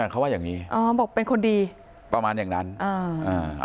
เขาว่าอย่างงี้อ๋อบอกเป็นคนดีประมาณอย่างนั้นอ่าอ่า